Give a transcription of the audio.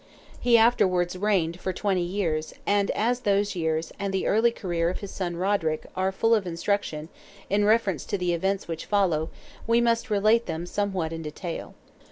He afterwards reigned for twenty years, and as those years, and the early career of his son Roderick are full of instruction, in reference to the events which follow, we must relate them somewhat in detail.